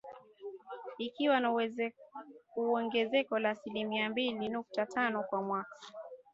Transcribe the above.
ikiwa na ongezeko la asilimia mbili nukta tano kwa mwaka